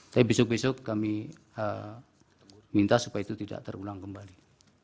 tapi besok besok kami minta supaya itu tidak terulang kembali